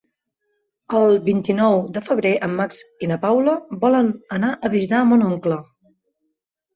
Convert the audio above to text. El vint-i-nou de febrer en Max i na Paula volen anar a visitar mon oncle.